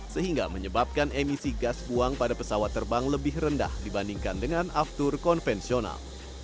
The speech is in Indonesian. sehingga menyebabkan emisi gas buang pada pesawat terbang lebih rendah dibandingkan dengan aftur konvensional